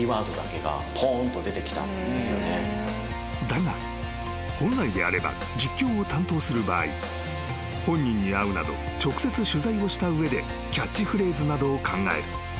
［だが本来であれば実況を担当する場合本人に会うなど直接取材をした上でキャッチフレーズなどを考える］